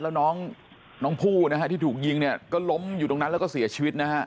แล้วน้องผู้นะฮะที่ถูกยิงเนี่ยก็ล้มอยู่ตรงนั้นแล้วก็เสียชีวิตนะฮะ